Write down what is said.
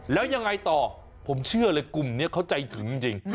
แล้วยังไงต่อผมเชื่อเลยกลุ่มนี้เขาใจถึงจริง